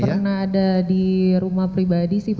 pernah ada di rumah pribadi sih